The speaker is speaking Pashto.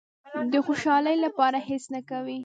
د خوشالۍ لپاره هېڅ نه کوي.